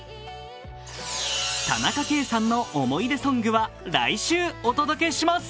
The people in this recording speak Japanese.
田中圭さんの思い出ソングは、来週お届けします。